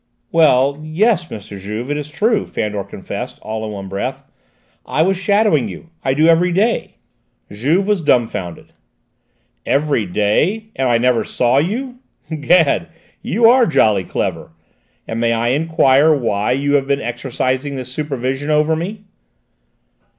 "Well, yes, M. Juve, it is true," Fandor confessed, all in one breath. "I was shadowing you: I do every day!" Juve was dumbfounded. "Every day? And I never saw you! Gad, you are jolly clever! And may I enquire why you have been exercising this supervision over me?"